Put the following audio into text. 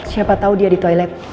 siapa tahu dia di toilet